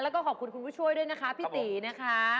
แล้วก็ขอบคุณคุณผู้ช่วยด้วยนะคะพี่ตีนะคะ